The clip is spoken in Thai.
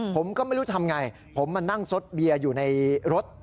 ผมก็ไม่รู้ทำไงผมมานั่งซดเบียร์อยู่ในรถ